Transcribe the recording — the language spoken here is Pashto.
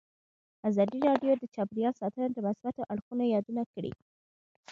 ازادي راډیو د چاپیریال ساتنه د مثبتو اړخونو یادونه کړې.